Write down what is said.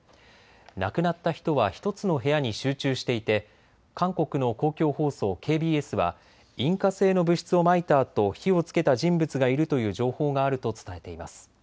亡くなった人は１つの部屋に集中していて韓国の公共放送ＫＢＳは引火性の物質をまいたあと火をつけた人物がいるという情報があると伝えています。